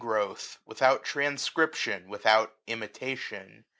. XIX growth, without transcription, without imi tation.